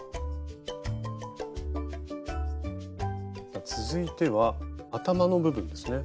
さあ続いては頭の部分ですね。